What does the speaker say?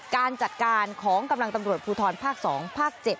การจัดการของกำลังตำรวจภูทรภาค๒ภาค๗